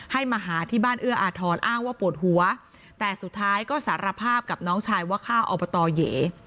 มาหาที่บ้านเอื้ออาทรอ้างว่าปวดหัวแต่สุดท้ายก็สารภาพกับน้องชายว่าฆ่าอบตเหย